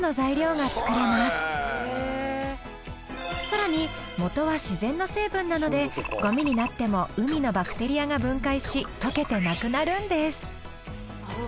更に元は自然の成分なのでゴミになっても海のバクテリアが分解し溶けてなくなるんです。